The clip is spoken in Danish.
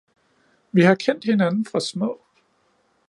Vi har kendt hinanden fra små